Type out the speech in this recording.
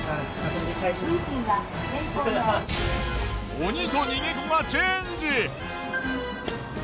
鬼と逃げ子がチェンジ！